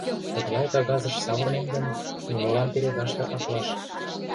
Тыглай кагазыш савырнен гын, нимолан перегаш да аклаш.